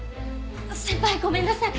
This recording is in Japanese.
先輩ごめんなさい。